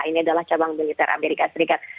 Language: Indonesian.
ini adalah cabang militer amerika serikat